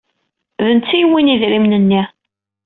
D netta ay yewwin idrimen-nni.